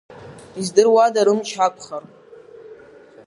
Издыруада рымч ақәхар!